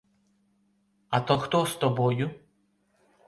А то хто з тобою?